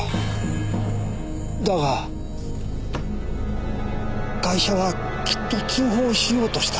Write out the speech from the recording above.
だがガイシャはきっと通報しようとした。